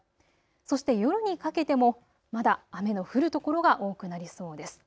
そして夜にかけてもまだ雨の降る所が多くなりそうです。